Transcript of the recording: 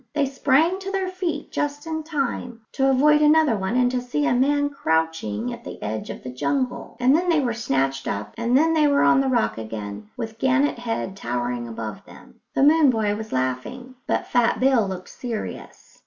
They sprang to their feet just in time to avoid another one and to see a man crouching at the edge of the jungle; and then they were snatched up, and there they were on the rock again, with Gannet Head towering above them. The moon boy was laughing, but Fat Bill looked serious.